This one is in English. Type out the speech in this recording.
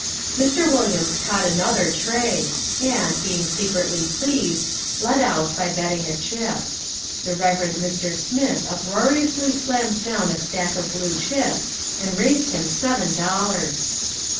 Mr. Williams caught another tray, and, being secretly pleased, led out by betting a chip. The Reverend Mr. Smith uproariously slammed down a stack of blue chips and raised him seven dollars.